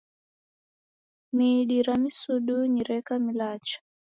Midi ra msidunyi reka milacha